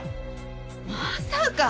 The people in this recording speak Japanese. まさか。